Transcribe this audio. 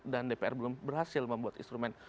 dpr belum berhasil membuat instrumen